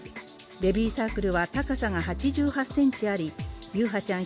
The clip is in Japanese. ベビーサークルは高さが８８ｃｍあり優陽ちゃん